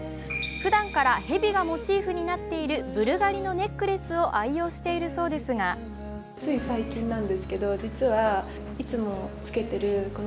ふだんから蛇がモチーフになっているブルガリのネックレスを愛用しているそうですがそして、卒業シーズンの春。